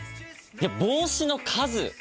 帽子の数！